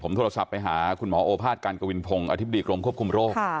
โทรศัพท์ไปหาคุณหมอโอภาษการกวินพงศ์อธิบดีกรมควบคุมโรค